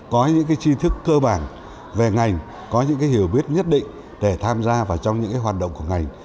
có những chi thức cơ bản về ngành có những hiểu biết nhất định để tham gia vào trong những hoạt động của ngành